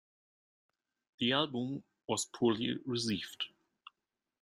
The album was poorly received.